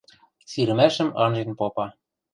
Сирмӓшӹм анжен попа.